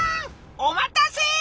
お待たせ」。